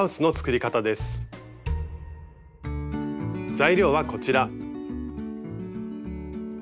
材料はこちら。